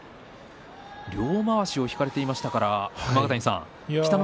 両まわしを引かれていましたから熊ヶ谷さん